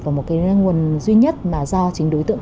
vào một nguồn duy nhất mà do chính đối tượng